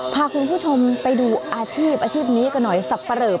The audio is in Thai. พาคุณผู้ชมไปดูอาชีพอาชีพนี้กันหน่อยสับปะเหลอ